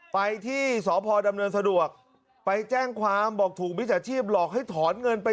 ไปที่สพดำเนินสะดวกไปแจ้งความบอกถูกมิจฉาชีพหลอกให้ถอนเงินไป